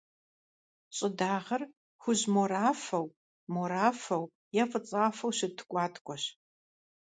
ЩӀыдагъэр — хужь-морафэу, морафэу е фӀыцӀафэу щыт ткӀуаткӀуэщ.